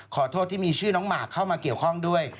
ขอโทษที่มีชื่อน้องหมากเข้ามาเกี่ยวข้องด้วย